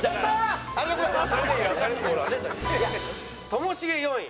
ともしげ４位。